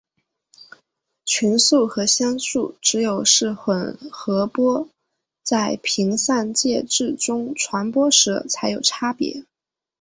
群速和相速只有是混合波在频散介质中传播时才有差别。